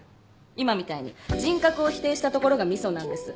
今みたいに人格を否定したところが味噌なんです。